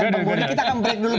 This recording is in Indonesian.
bang boni kita akan break dulu